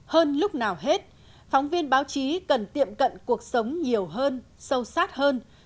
hơn lúc nào hết phóng viên báo chí cần tiệm cận cuộc sống nhiều hơn sâu sát hơn